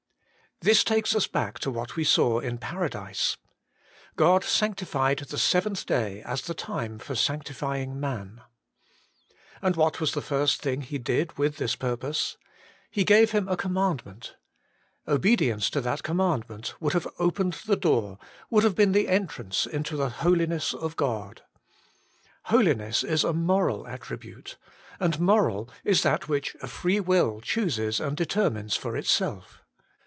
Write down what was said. This takes us back to what we saw in Paradise. God sanctified the seventh day as the time for sanctifying man. And what was the first thing HOLINESS AND OBEDIENCE. 65 He did with this purpose ? He gave him a com mandment. Obedience to that commandment would have opened the door, would have been the entrance, into the Holiness of God. Holiness is a moral attri bute ; and moral is that which a free will chooses and determines for itself.